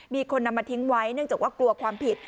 มีคนนำมาทิ้งไว้เนื่องจากว่ากลัวความผิด